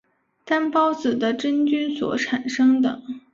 担孢子的真菌所产生的。